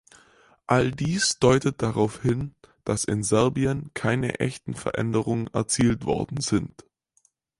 All dies deutet darauf hin, dass in Serbien keine echten Veränderungen erzielt worden sind.